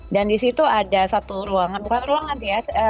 dan di situ ada satu ruangan bukan ruangan sih ya